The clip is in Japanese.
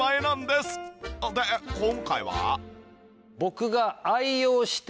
で今回は？